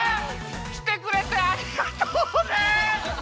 きてくれてありがとうね！